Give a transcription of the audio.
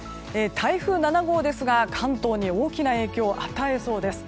台風７号ですが関東に大きな影響を与えそうです。